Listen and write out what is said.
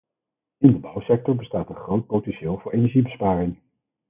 In de bouwsector bestaat een groot potentieel voor energiebesparing.